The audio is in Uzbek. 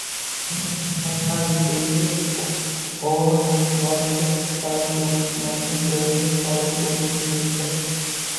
Demak, mukammal tezlik, o‘g‘lim, bu — borishga taraddudlangan joyingda hozir bo‘lishingdir.